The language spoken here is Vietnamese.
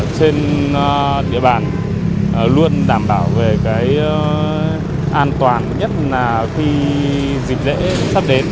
trên địa bàn luôn đảm bảo về cái an toàn nhất là khi dịch dễ sắp đến